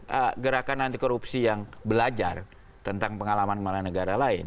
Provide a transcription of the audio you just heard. kalau orang yang gerakan anti korupsi yang belajar tentang pengalaman malah negara lain